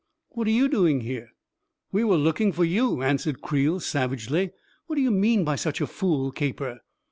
"What are you doing here ?" "We were looking for you," answered Creel savagely. "What do you mean by such a fool caper